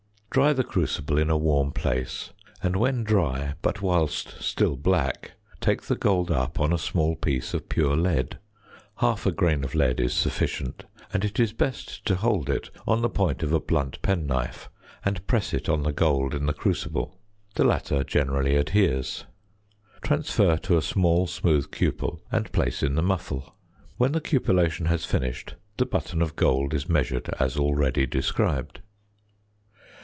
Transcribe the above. Dry the crucible in a warm place; and when dry, but whilst still black, take the gold up on a small piece of pure lead. Half a grain of lead is sufficient, and it is best to hold it on the point of a blunt penknife, and press it on the gold in the crucible. The latter generally adheres. Transfer to a small smooth cupel and place in the muffle. When the cupellation has finished, the button of gold is measured as already described.